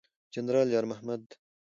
جنرال یار محمد